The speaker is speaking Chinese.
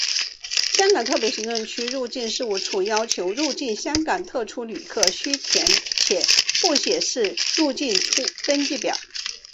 香港特别行政区入境事务处要求入出境香港特区旅客须填具复写式入出境登记表。